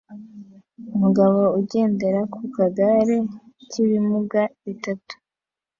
Umugabo ugendera ku kagare k'ibimuga bitatu